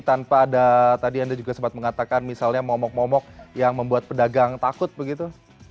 tanpa ada tadi anda juga sempat mengatakan misalnya momok momok yang membuat pedagang takut begitu